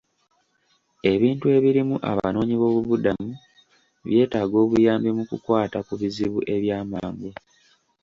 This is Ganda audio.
Ebitundu ebirimu abanoonyi b'obubuddamu byetaaga obuyambi mu kukwata ku bizibu ebyamangu.